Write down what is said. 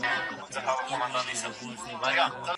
سیاستوال باید د ولس په غم کې وي.